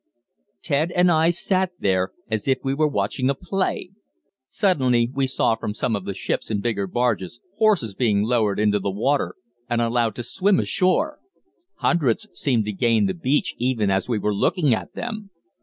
"Ted and I sat there as if we were watching a play. Suddenly we saw from some of the ships and bigger barges horses being lowered into the water and allowed to swim ashore. Hundreds seemed to gain the beach even as we were looking at them.